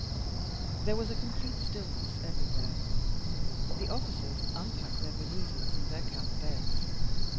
There was a complete stillness everywhere. The officers unpacked their valises and their camp beds.